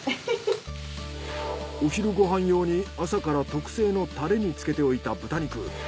お昼ご飯用に朝から特製のタレにつけておいた豚肉。